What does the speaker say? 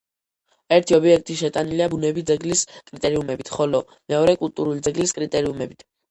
ერთი ობიექტი შეტანილია ბუნები ძეგლის კრიტერიუმებით, ხოლო მეორე კულტურული ძეგლის კრიტერიუმებით.